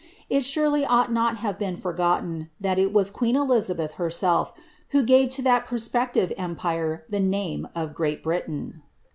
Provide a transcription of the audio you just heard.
It sorely ought not to have been forgotten that it was queen Elizabeth, herself, who gave to that prospectire empire the name of Great Britain.